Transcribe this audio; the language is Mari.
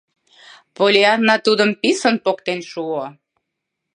Поллианна тудым писын поктен шуо: